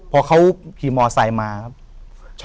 พอเขาขี่มอไซค์มาครับ